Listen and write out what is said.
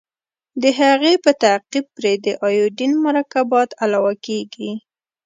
د هغې په تعقیب پرې د ایوډین مرکبات علاوه کیږي.